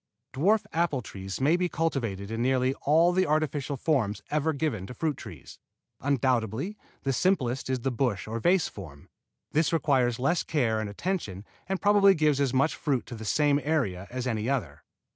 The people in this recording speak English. Dwarf apple trees may be cultivated in nearly all the artificial forms ever given to fruit trees. Undoubtedly the simplest is the bush or vase form. This requires less care and attention and probably gives as much fruit to the same area as any other.